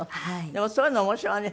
でもそういうの面白いわね。